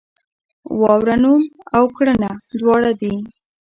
واوره نوم او کړنه دواړه دي.